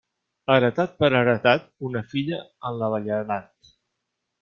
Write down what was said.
Heretat per heretat, una filla en la velledat.